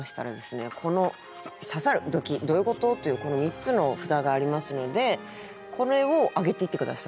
この「刺さる」「ドキッ」「どういうこと？」というこの３つの札がありますのでこれを挙げていって下さい。